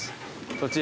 そっち。